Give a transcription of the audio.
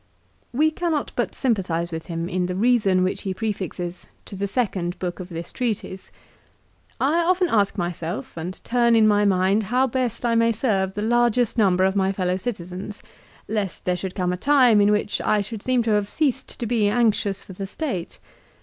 1 We cannot but sympathise with him in the reason which he prefixes to the second book of this treatise. " I often ask myself and turn in my mind how best I may serve the largest number of my fellow citizens, lest there should come a time in which I should seem to have ceased to be anxious for the State.